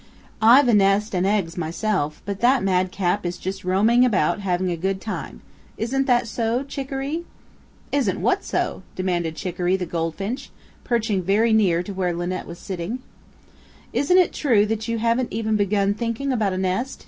I've a nest and eggs myself, but that madcap is just roaming about having a good time. Isn't that so, Chicoree?" "Isn't what so?" demanded Chicoree the Goldfinch, perching very near to where Linnet was sitting. "Isn't it true that you haven't even begun thinking about a nest?"